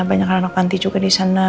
banyak anak panti juga di sana